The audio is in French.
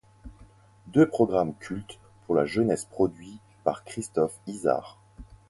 Deux programmes cultes pour la jeunesse produits par Christophe Izard.